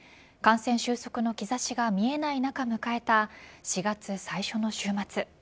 感染終息の兆しが見えない中迎えた４月最初の週末。